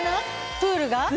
プールが？